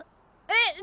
えっ？